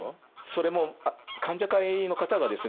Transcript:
それも患者会の方がですね